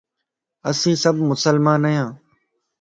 اسين سڀ مسلمان ايان